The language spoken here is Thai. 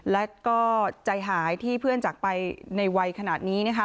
และก็ใจหายที่เพื่อนจากไปในวัยขนาดนี้นะคะ